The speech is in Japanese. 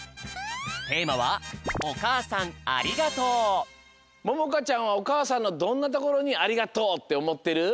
テーマは「おかあさんありがとう」ももかちゃんはおかあさんのどんなところにありがとうっておもってる？